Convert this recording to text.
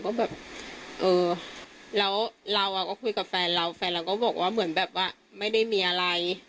ก็แบบเออแล้วเราก็คุยกับแฟนเราแฟนเราก็บอกว่าเหมือนแบบว่าไม่ได้มีอะไร